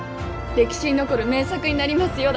「歴史に残る名作になりますよ」